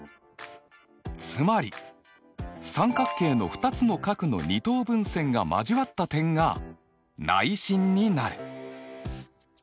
つまり三角形の２つの角の二等分線が交わった点が内心になる。